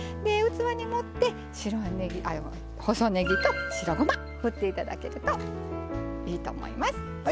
器に盛って、細ねぎと白ごまを振っていただけるといいと思います。